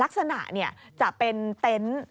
ลักษณะจะเป็นเต็นต์